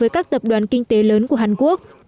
các tập đoàn kinh tế lớn của hàn quốc